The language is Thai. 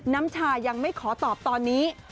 น้ำชายังไม่ขอตอบตอนนี้